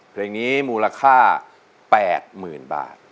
เพลงนี้มูลค่า๘๐๐๐บาท